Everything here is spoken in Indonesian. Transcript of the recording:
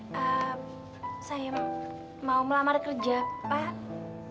eh saya mau melamar kerja pak